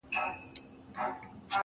جلوه مخې په اوو فکرو کي ډوب کړم~